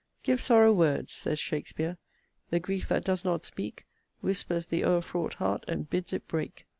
Give sorrow words (says Shakspeare) The grief that does not speak, Whispers the o'er fraught heart, and bids it break.